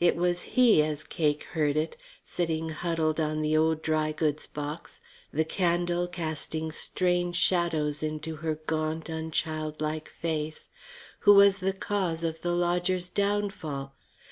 It was he as Cake heard it, sitting huddled on the old dry goods box, the candle casting strange shadows into her gaunt, unchildlike face, who was the cause of the lodger's downfall.